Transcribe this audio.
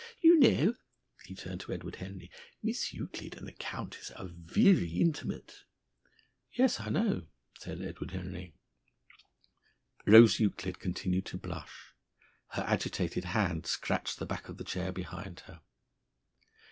You know," he turned to Edward Henry, "Miss Euclid and the countess are virry intimate." "Yes, I know," said Edward Henry. Rose Euclid continued to blush. Her agitated hand scratched the back of the chair behind her.